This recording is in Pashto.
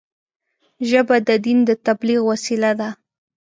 ژبه د دین د تبلیغ وسیله ده